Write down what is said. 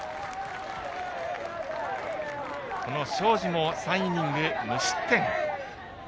この庄司も３イニング無失点。